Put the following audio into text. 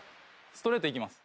ストレートいきます。